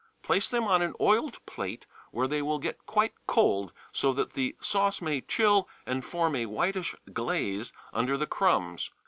Place them on an oiled plate where they will get quite cold, so that the sauce may chill and form a whitish glaze under the crumbs.